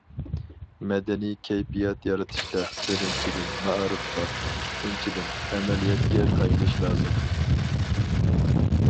مەدەنىي كەيپىيات يارىتىشتا، بىرىنچىدىن، مائارىپقا، ئىككىنچىدىن، ئەمەلىيەتكە تايىنىش لازىم.